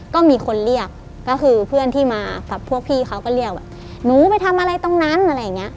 ก็มีคนเรียกก็คือเพื่อนที่มากับพวกพี่เขาก็เรียกแบบหนูไปทำอะไรตรงนั้นอะไรอย่างเงี้